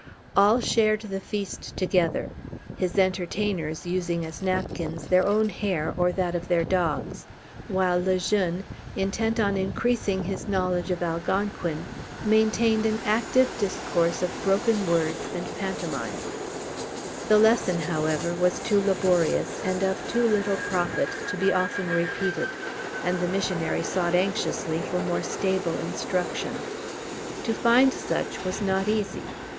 All shared the feast together, his entertainers using as napkins their own hair or that of their dogs; while Le Jeune, intent on increasing his knowledge of Algonquin, maintained an active discourse of broken words and pantomime. Le Jeune, Relation, 1633, 2. The lesson, however, was too laborious, and of too little profit, to be often repeated, and the missionary sought anxiously for more stable instruction. To find such was not easy.